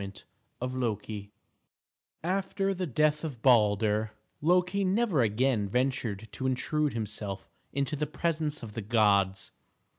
KEARY'S VERSION After the death of Baldur, Loki never again ventured to intrude himself into the presence of the gods.